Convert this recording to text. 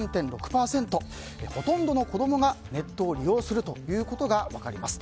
ほとんどの子供がネットを利用するということが分かります。